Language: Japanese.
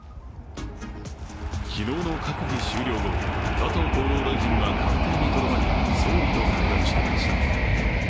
昨日の閣議終了後、加藤厚労大臣は官邸にとどまり、総理と会談していました。